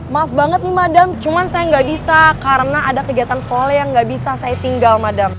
maaf banget nih madam cuman saya nggak bisa karena ada kegiatan sekolah yang nggak bisa saya tinggal madam